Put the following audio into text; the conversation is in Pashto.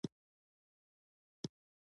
جګړه د امن ضد ده